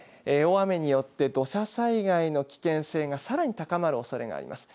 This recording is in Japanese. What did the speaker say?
さあこちらですね、大雨によって土砂災害の危険性がさらに高まるおそれがあります。